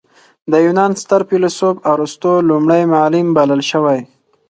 د یونان ستر فیلسوف ارسطو لومړی معلم بلل شوی.